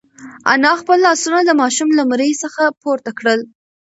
انا خپل لاسونه د ماشوم له مرۍ څخه پورته کړل.